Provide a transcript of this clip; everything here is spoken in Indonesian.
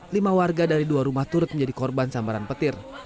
lima warga dari dua rumah turut menjadi korban sambaran petir